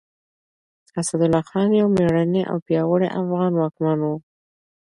اسدالله خان يو مېړنی او پياوړی افغان واکمن و.